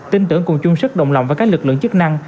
tin tưởng cùng chung sức đồng lòng với các lực lượng chức năng